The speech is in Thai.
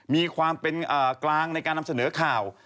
มีความเป็นกลางในการนำเสนอข่าว